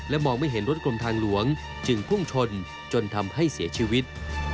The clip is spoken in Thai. มองไม่เห็นรถกรมทางหลวงจึงพุ่งชนจนทำให้เสียชีวิต